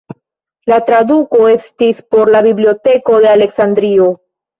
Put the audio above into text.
La traduko estis por la Biblioteko de Aleksandrio.